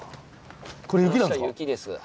これ雪なんですか？